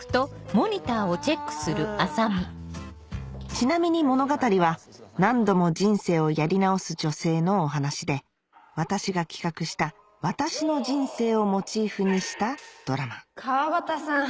ちなみに物語は何度も人生をやり直す女性のお話で私が企画した私の人生をモチーフにしたドラマ川端さん